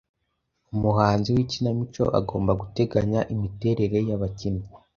Umuhanzi w’ikinamico agomba guteganya imiterere y’abakinnyi